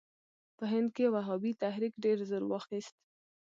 په هند کې وهابي تحریک ډېر زور واخیست.